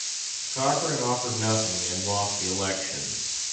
Cochrane offered nothing and lost the election.